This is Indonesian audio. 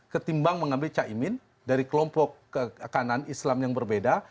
ketimbang mengambil caimin dari kelompok kanan islam yang berbeda